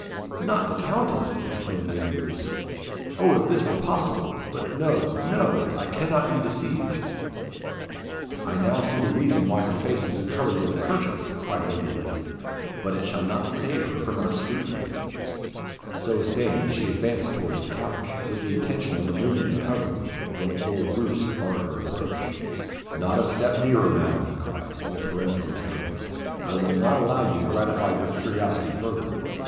"Not the Countess!" exclaimed Lady Roos. "Oh, if this were possible! But no, no! I cannot be deceived." "I now see the reason why her face has been covered with a 'kerchief," cried Lady Lake. "But it shall not save her from our scrutiny." So saying, she advanced towards the couch, with the intention of removing the covering, when Lord Roos barred her approach. "Not a step nearer, Madam," he cried, in a peremptory tone. "I will not allow you to gratify your curiosity further.